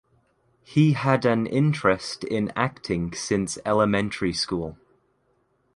He had an interest in acting since elementary school.